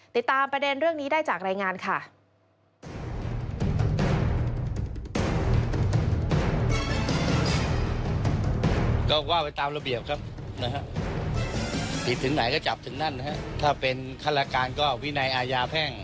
ติดตามประเด็นเรื่องนี้ได้จากรายงานค่ะ